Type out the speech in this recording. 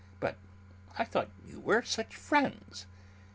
"But I thought that you were such friends..."